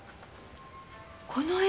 この絵！